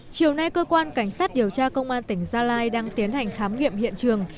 chiều nay cơ quan cảnh sát điều tra công an tỉnh gia lai đang tiến hành khám nghiệm hiện trường